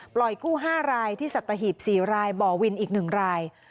คู่๕รายที่สัตหีบ๔รายบ่อวินอีก๑ราย